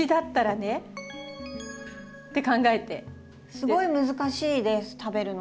すごい難しいです食べるの。